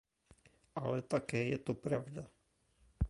Ale také je to pravda.